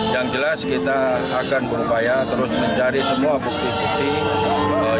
yang jelas kita akan berupaya terus mencari semua bukti bukti